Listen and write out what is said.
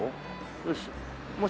よし。